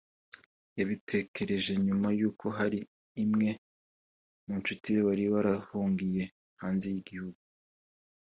yabitekereje nyuma y’uko hari imwe mu ncuti ze wari warahungiye hanze y’igihugu